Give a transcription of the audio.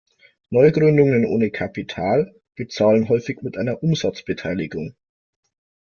Neugründungen ohne Kapital bezahlen häufig mit einer Umsatzbeteiligung.